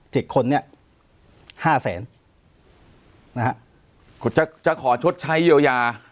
คนเนี้ยห้าแสนนะฮะคุณจะจะขอชดใช้เยียวยา